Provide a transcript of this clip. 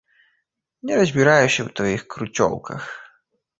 Не разбіраюся ў тваіх круцёлках.